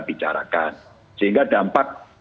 bicarakan sehingga dampak